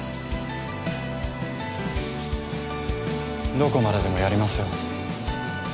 どこまででもやりますよ。